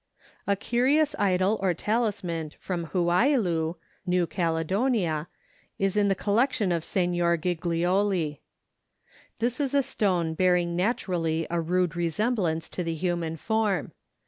A curious idol or talisman from Houaïlou, New Caledonia, is in the collection of Signor Giglioli. This is a stone bearing naturally a rude resemblance to the human form.